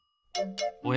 おや？